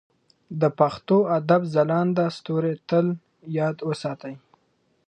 د پښتو ادب ځلانده ستوري تل یاد وساتئ.